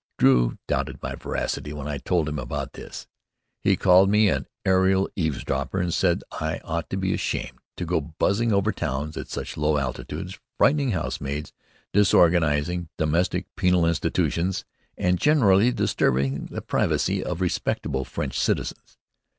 Drew doubted my veracity when I told him about this. He called me an aerial eavesdropper and said that I ought to be ashamed to go buzzing over towns at such low altitudes, frightening housemaids, disorganizing domestic penal institutions, and generally disturbing the privacy of respectable French citizens.